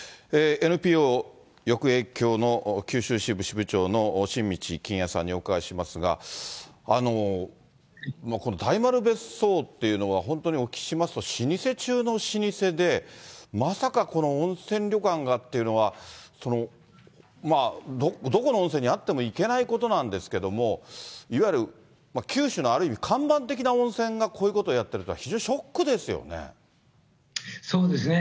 ＮＰＯ浴衛協の九州支部支部長の新道欣也さんにお伺いしますが、この大丸別荘っていうのは、本当にお聞きしますと、老舗中の老舗で、まさかこの温泉旅館がっていうのは、どこの温泉にあってもいけないことなんですけれども、いわゆる九州のある意味、看板的な温泉がこういうことをやっていたというのは、非常にショそうですね。